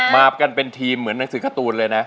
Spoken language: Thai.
มากันเป็นทีมเหมือนหนังสือการ์ตูนเลยนะ